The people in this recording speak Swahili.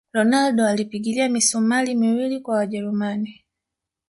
ronaldo alipigilia misumali miwili kwa wajerumani